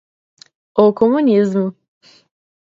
O comunismo